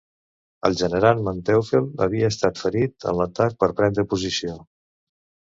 El general Manteuffel havia estat ferit en l'atac per prendre posició.